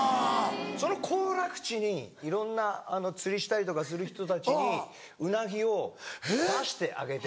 その行楽地にいろんな釣りしたりとかする人たちにウナギを出してあげて。